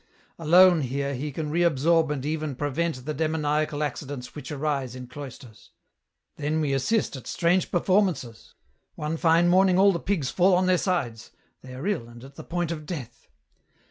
Alone, here, he can reabsorb and even prevent the demoniacal accidents which arise in cloisters. Then we assist at strange performances : one fine morning all the pigs fall on their sides ; they are ill and at the point of death.